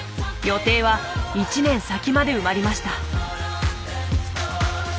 予定は１年先まで埋まりました。